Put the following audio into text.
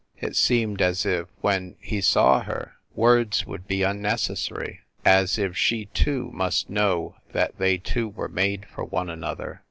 It seemed as if, when he saw her, words would be unnecessary as if she, too, must know that they two were made for one another!